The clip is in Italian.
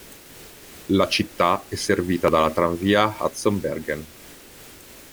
La città è servita dalla tranvia Hudson-Bergen.